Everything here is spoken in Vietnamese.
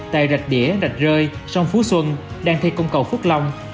tại rạch đĩa rạch rơi sông phú xuân đang thi công cầu phước long